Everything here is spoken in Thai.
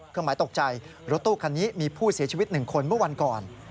เครื่องหมายตกใจรถตู้คันนี้มีผู้เสียชีวิต๑คนเมื่อวันก่อน